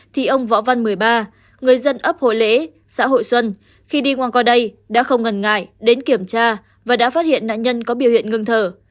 thì ông võ văn một mươi ba người dân ấp hội lễ xã hội xuân khi đi ngang qua đây đã không ngần ngại đến kiểm tra và đã phát hiện nạn nhân có biểu hiện ngừng thở